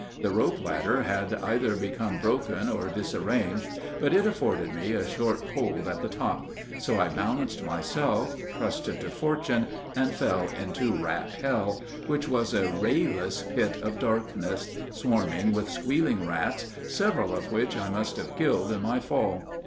The rope ladder had either become broken or disarranged, but it afforded me a short hold at the top; so I balanced myself, trusted to fortune, and fell into Rat Hell, which was a rayless pit of darkness, swarming with squealing rats, several of which I must have killed in my fall.